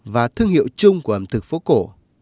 và thương hiệu chung của ẩm thực phố cổ